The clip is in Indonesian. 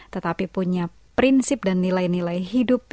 tetapi punya prinsip dan nilai nilai hidup